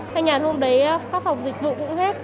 thanh nhàn hôm đấy khoa học dịch vụ cũng hết